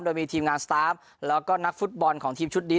โดยมีทีมงานสตาร์ฟแล้วก็นักฟุตบอลของทีมชุดนี้